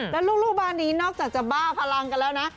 แล้วลูกบ้านนี้นอกจากจะบ้าพลังกันแล้วนะ